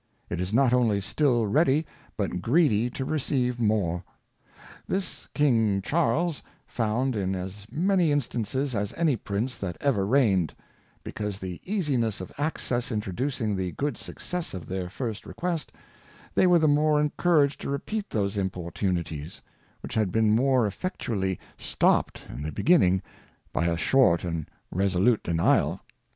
It is not only still ready, but greedy to receive more. This King Charles found in as many Instances as any Prince that ever reigned, because the Easiness of Access introducing the good Success of their first Request, they were the more encouraged to repeat those Importunities, which had been more effectually stopt Kj,ng Charles II. 205 stopt in the Beginning by a short and resolute Denial.